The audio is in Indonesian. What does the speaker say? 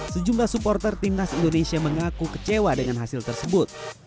sejumlah supporter timnas indonesia mengaku kecewa dengan hasil tersebut